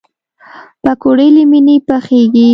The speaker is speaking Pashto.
پکورې له مینې پخېږي